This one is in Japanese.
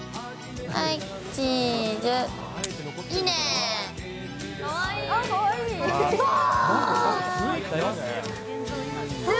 はい、チーズ。